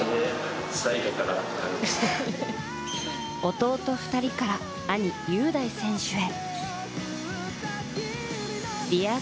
弟２人から兄・優大選手へ。